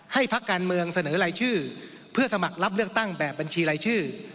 พักการเมืองเสนอรายชื่อเพื่อสมัครรับเลือกตั้งแบบบัญชีรายชื่อ